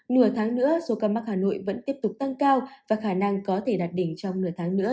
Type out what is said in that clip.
nửa tháng nữa số ca mắc hà nội vẫn tiếp tục tăng cao và khả năng có thể đạt đỉnh trong nửa tháng nữa